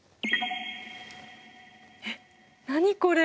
えっ何これ？